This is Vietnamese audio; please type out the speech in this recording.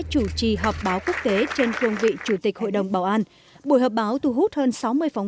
chủ trì họp báo quốc tế trên cương vị chủ tịch hội đồng bảo an buổi họp báo thu hút hơn sáu mươi phóng